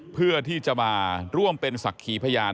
เพื่อที่จะมาร่วมเป็นศักดิ์ขีพยาน